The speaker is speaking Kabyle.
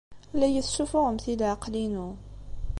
La iyi-tessuffuɣemt i leɛqel-inu.